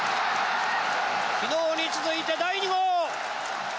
昨日に続いて第２号。